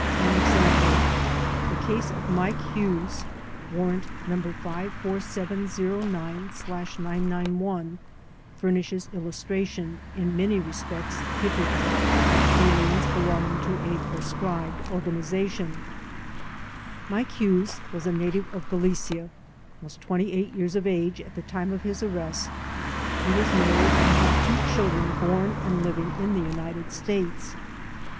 An Example The case of Mike Hewes (Warrant No. 54709/991) furnishes illustration, in many respects typical, of aliens belonging to a proscribed organization. Mike Hewes was a native of Galicia, was twenty eight years of age at the time of his arrest; he was married and had two children born and living in the United States.